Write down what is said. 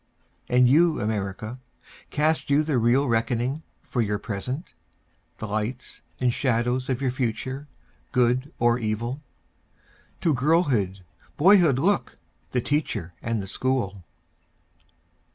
And you America, Cast you the real reckoning for your present? The lights and shadows of your future, good or evil? To girlhood, boyhood look, the teacher and the school.